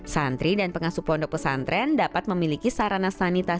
santri dan pengasuh pondok pesantren dapat memiliki keuntungan yang sangat baik